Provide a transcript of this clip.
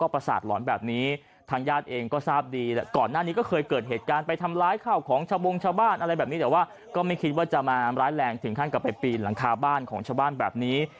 เพื่อจะมาร้ายแรงถึงขั้นกลับไปปีนหลังคาบ้านของชาวบ้านแบบนี้